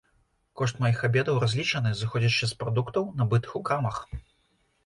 Кошт маіх абедаў разлічаны, зыходзячы з прадуктаў, набытых у крамах.